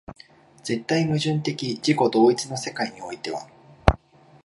絶対矛盾的自己同一の世界においては、